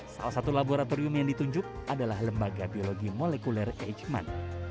salah satu laboratorium yang ditunjuk adalah lembaga biologi molekuler hman